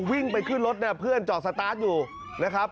วิ่งไปขึ้นรถเนี่ยเพื่อนจอดสตาร์ทอยู่นะครับ